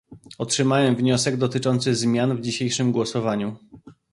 Otrzymałem wniosek dotyczący zmian w dzisiejszym głosowaniu